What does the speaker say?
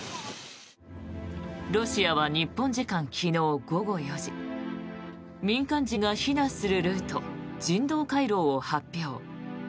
ロシアは日本時間昨日午後４時民間人が避難するルート人道回廊を発表。